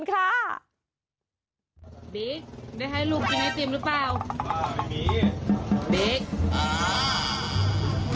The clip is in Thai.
ทำยิ่งกินไอศครีมหรือเปล่า